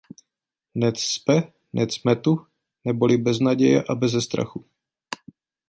Nec spe, nec metu neboli bez naděje a beze strachu.